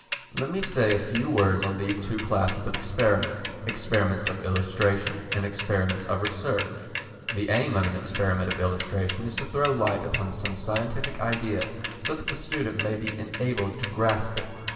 Let me say a few words on these two classes of experiments, Experiments of Illustration and Experiments of Research. The aim of an experiment of illustration is to throw light upon some scientific idea so that the student may be enabled to grasp it.